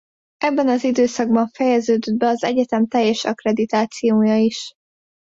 Ebben az időszakban fejeződött be az egyetem teljes akkreditációja is.